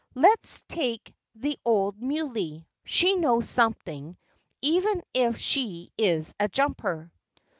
"Let's take the old Muley. She knows something, even if she is a jumper."